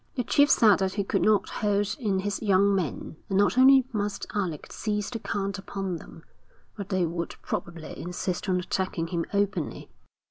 The chief said that he could not hold in his young men, and not only must Alec cease to count upon them, but they would probably insist on attacking him openly.